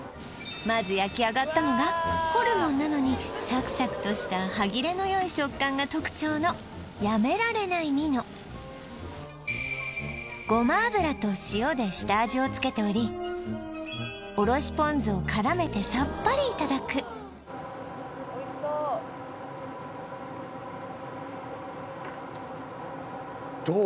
まず焼き上がったのがホルモンなのにサクサクとした歯切れのよい食感が特徴のやめられないミノをつけておりを絡めてさっぱりいただくどう？